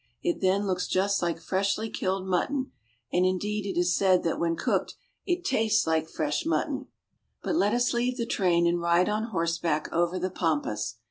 It then looks just like freshly killed mutton, and indeed it is said that when cOoked it tastes like fresh mutton. But let us leave the train and ride on horseback over the pampas.